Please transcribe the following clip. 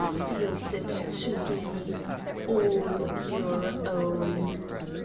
feels it to be;— ALL YOUR OWN.